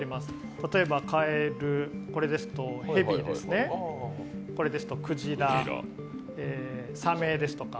例えばカエル、これですとヘビですね、これですとクジラ、サメですとか。